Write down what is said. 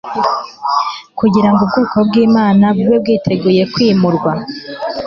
kugira ngo ubwoko bw'imana bube bwiteguye kwimurwa